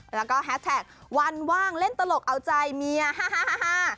แล้วก็แฮสแท็กวันว่างเล่นตลกเอาใจเมียฮา